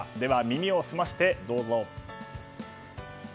耳を澄ませてどうぞ。